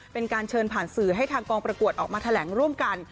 เป็นการเชิญผ่านสื่อให้ทางกองประกวดออกมาแถลงร่วมกัน